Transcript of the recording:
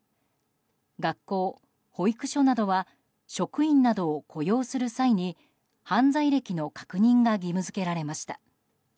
学校、保育所などは職員などを雇用する際に犯罪歴の確認が義務付けられました。